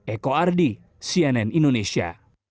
eko ardi cnn indonesia